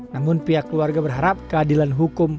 namun pihak keluarga berharap keadilan hukum